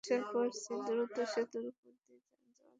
আশা করছি, দ্রুত সেতুর ওপর দিয়ে যান চলাচল শুরু করা সম্ভব হবে।